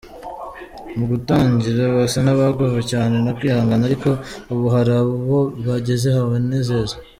Mu gutangira basa n’abagowe cyane no kwihangana ariko ubu hari aho bageze habanezeza.